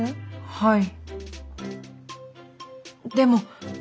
はい。